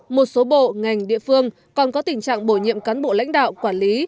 một số bộ ngành địa phương còn có tình trạng bổ nhiệm cán bộ lãnh đạo quản lý